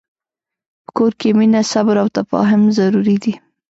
په کور کې مینه، صبر، او تفاهم ضرور دي.